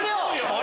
俺？